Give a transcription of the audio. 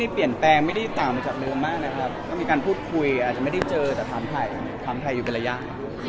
เพราะว่าจะได้พูดเวลาทุกคนสั่งจะไม่ได้ได้ไปเจอกัน